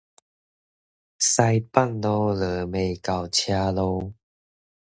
西北雨，落未到車路